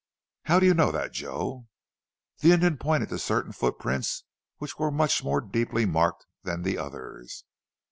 "How do you know that, Joe?" The Indian pointed to certain footprints which were much more deeply marked than the others.